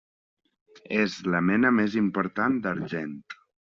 És la mena més important d'argent.